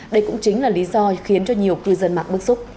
đây cũng chính là lý do khiến cho nhiều cư dân mạng bức xúc